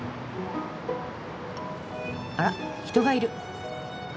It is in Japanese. あら人がいる。